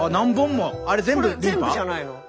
これ全部じゃないの？